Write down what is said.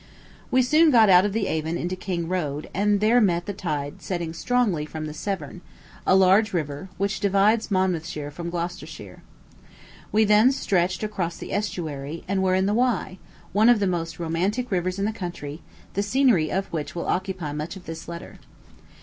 We soon got out of the Avon into King Road, and there met the tide setting strongly from the Severn a large river, which divides Monmouthshire from Gloucestershire. We then stretched across the estuary, and were in the Wye one of the most romantic rivers in the country, the scenery of which will occupy much of this letter.